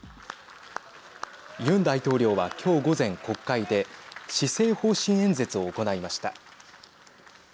ユン大統領は今日午前、国会で施政方針演説を行いました。